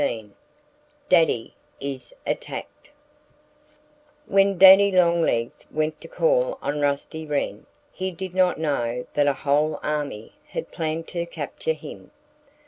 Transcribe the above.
XVII DADDY IS ATTACKED WHEN Daddy Longlegs went to call on Rusty Wren he did not know that a whole army had planned to capture him.